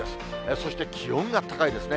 そして気温が高いですね。